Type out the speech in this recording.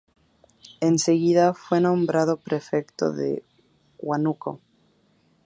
Enseguida fue nombrado prefecto de Huánuco.